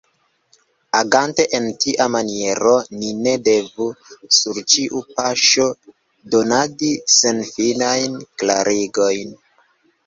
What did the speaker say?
Agante en tia maniero, ni ne devu sur ĉiu paŝo donadi senfinajn klarigojn.